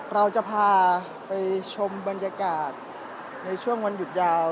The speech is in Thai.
เราจะพาไปชมบรรยากาศในช่วงวันหยุดยาว